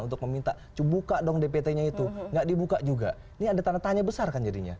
untuk meminta buka dong dpt nya itu nggak dibuka juga ini ada tanda tanya besar kan jadinya